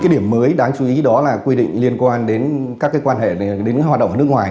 điểm mới đáng chú ý đó là quy định liên quan đến các quan hệ đến hoạt động ở nước ngoài